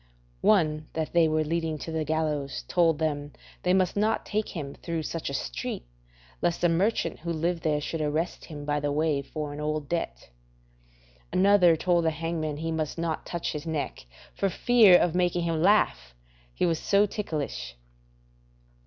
One that they were leading to the gallows told them they must not take him through such a street, lest a merchant who lived there should arrest him by the way for an old debt. Another told the hangman he must not touch his neck for fear of making him laugh, he was so ticklish.